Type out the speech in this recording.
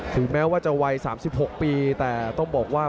ถึงแม้ว่าจะวัย๓๖ปีแต่ต้องบอกว่า